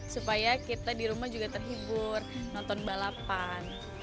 supaya kita di rumah juga terhibur nonton balapan